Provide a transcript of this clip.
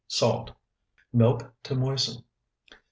Salt. Milk to moisten.